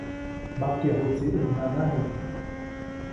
Makyajuʼtsi ʼäj nanajiʼŋ.